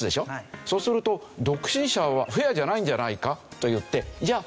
そうすると独身者はフェアじゃないんじゃないかといってじゃあ